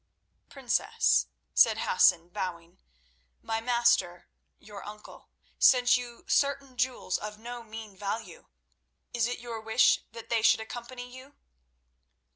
"Princess," said Hassan, bowing, "my master, your uncle, sent you certain jewels of no mean value. Is it your wish that they should accompany you?"